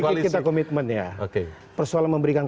saya pikir kita komitmen ya persoalan memberikan